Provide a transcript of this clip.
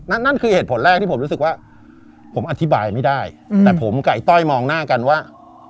นั่นนั่นคือเหตุผลแรกที่ผมรู้สึกว่าผมอธิบายไม่ได้แต่ผมกับไอ้ต้อยมองหน้ากันว่า